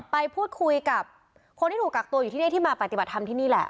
ไปพูดคุยกับคนที่ถูกกักตัวอยู่ที่นี่ที่มาปฏิบัติธรรมที่นี่แหละ